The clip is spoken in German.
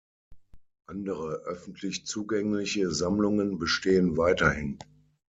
Andere öffentlich zugängliche Sammlungen bestehen weiterhin.